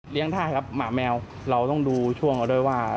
เลี้ยงท่าครับหมาแมวเราต้องดูช่วงกันด้วยว่า